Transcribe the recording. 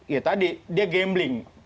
ya tadi dia gambling